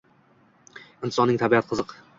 Insonning tabiati qiziq.